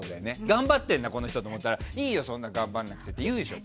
頑張ってんだ、この人と思ったらいいよ、そんな頑張らなくてって言うでしょ。